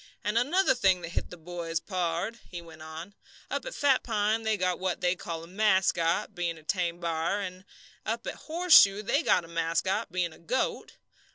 "And another thing that hit the boys, pard," he went on. "Up at Fat Pine they got what they call a mascot, bein' a tame b'ar; an' up at Horseshoe they got a mascot, bein' a goat.